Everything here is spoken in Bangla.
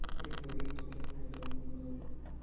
বেচারা মাধানা গোপাল।